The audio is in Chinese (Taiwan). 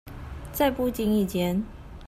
在不經意間